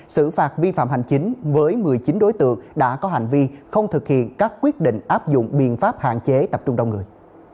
xử phạt vi phạm hành chính với một mươi chín đối tượng đã có hành vi không thực hiện các quyết định áp dụng biện pháp hạn chế tập trung đông người